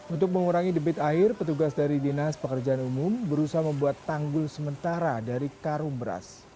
untuk mengurangi debit air petugas dari dinas pekerjaan umum berusaha membuat tanggul sementara dari karung beras